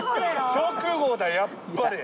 直後だやっぱり。